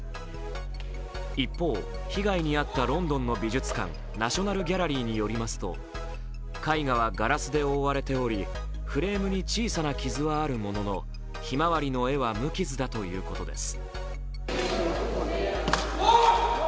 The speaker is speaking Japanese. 一方被害に遭ったロンドンの美術館ナショナル・ギャラリーによりますと、絵画はガラスで覆われており、フレームに小さな傷はあるものの「ひまわり」の絵は無傷だということです。